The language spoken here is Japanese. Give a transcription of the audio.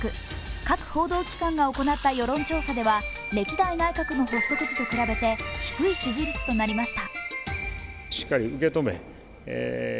各報道機関が行った世論調査では歴代内閣の発足時と比べて低い支持率となりました。